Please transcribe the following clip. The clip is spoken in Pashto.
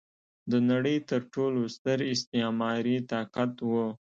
د نړۍ تر ټولو ستر استعماري طاقت و.